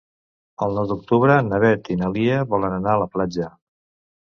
El nou d'octubre na Beth i na Lia volen anar a la platja.